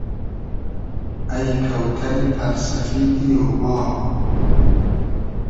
اݷ کۆتئری پئر سئفیدی اۉماغ